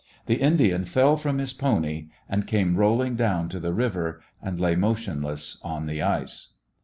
The Indian fell from his pony and came rolling down to the river, and lay motionless on the ice.